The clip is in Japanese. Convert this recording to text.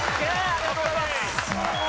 ありがとうございます。